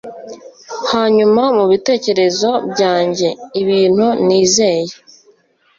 hanyuma, mubitekerezo byanjye, ibintu nizeye